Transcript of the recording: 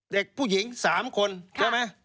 เด็กผู้หญิง๓คนใช่ไหม